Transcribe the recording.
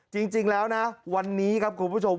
จริงแล้วนะวันนี้ครับคุณผู้ชม